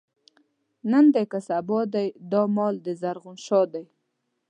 نن دی که سبا دی، دا مال دَ زرغون شاه دی